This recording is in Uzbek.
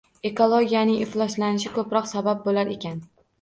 Ekologiyaning ifloslanishi koʻproq sabab boʻlar ekan